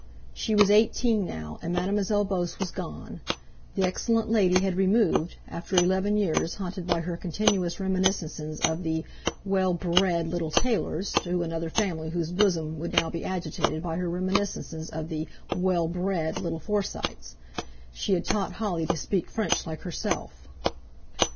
She was eighteen now, and Mademoiselle Beauce was gone—the excellent lady had removed, after eleven years haunted by her continuous reminiscences of the "well brrred little Tayleurs," to another family whose bosom would now be agitated by her reminiscences of the "well brrred little Forsytes." She had taught Holly to speak French like herself.